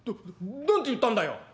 な何て言ったんだよ！？」。